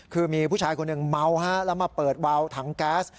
คือมีผู้ชายคนหนึ่งเมาฮะแล้วมาเปิดวาวถังแก๊ส